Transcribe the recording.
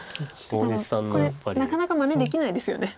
これなかなかまねできないですよね。